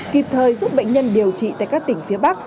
kịp thời giúp bệnh nhân điều trị tại các tỉnh phía bắc